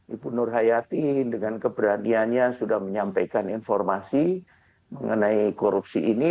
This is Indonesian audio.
ibu nur hayati dengan keberaniannya sudah menyampaikan informasi mengenai korupsi ini